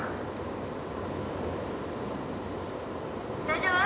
大丈夫。